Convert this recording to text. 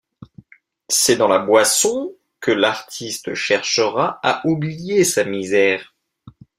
C'est dans la boisson que l'artiste cherchera à oublier sa misère.